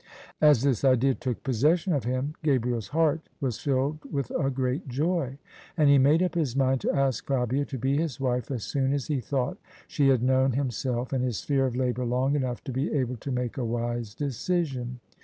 As this idea took possession of him, Gabriel's heart was filled with a great joy: and he made up his mind to ask Fabia to be his wife as soon as he thought she had known himself and his sphere of labour long enough to be able to make a wise decision.